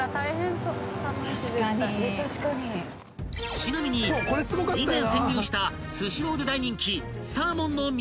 ［ちなみに以前潜入したスシローで大人気］